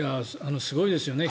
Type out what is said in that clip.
すごいですよね。